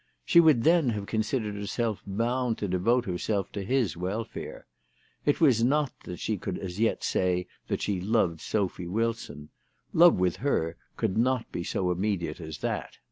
She would then have considered herself bound to devote herself to his welfare. It was not that she could as yet say that she loved Sophy Wilson. Cove with her could not be so immediate as that.